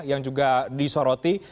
yang juga disoroti